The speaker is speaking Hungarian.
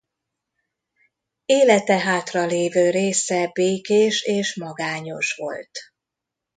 Élete hátralévő része békés és magányos volt.